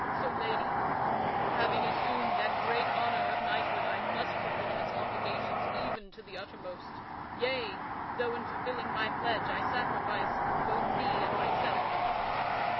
So, lady, having assumed that great honor of knighthood I must perform its obligations even to the uttermost; yea, though in fulfilling my pledge I sacrifice both Thee and myself."